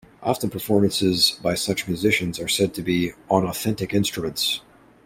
Often performances by such musicians are said to be "on authentic instruments".